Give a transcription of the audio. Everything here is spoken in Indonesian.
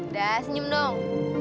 dadah senyum dong